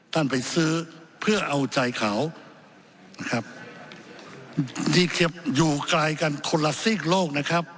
ท่านไปซื้อเพื่อเอาใจขาวที่เก็บอยู่ไกลกันคนละซีกโลก